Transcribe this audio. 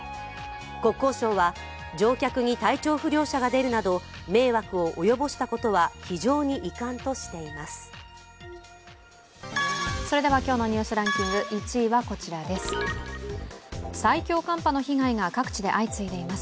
国交省は乗客に体調不良者が出るなど迷惑を及ぼしたことは非常に遺憾としています。